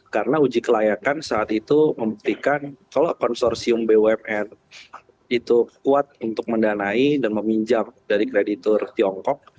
karena uji kelayakan saat itu memberikan kalau konsorsium bumn itu kuat untuk mendanai dan meminjam dari kreditur tiongkok